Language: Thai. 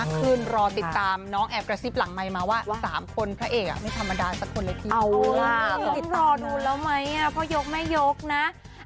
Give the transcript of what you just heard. ขอเป็นความลับใช่ไหมคะค่ะฝากติดตามด้วยนะคะ